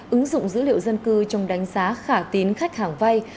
ứng dụng dữ liệu dân cư trong đánh giá khả tín khách hàng vay